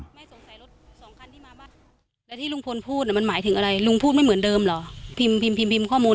แล้วที่ลุงพลพูดอ่ะมันหมายถึงอะไรลุงพูดไม่เหมือนเดิมเหรอพิมพ์พิมพ์พิมพ์ข้อมูล